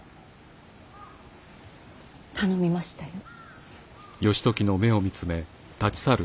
頼みましたよ。